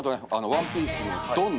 「ワンピース」の「ドン！」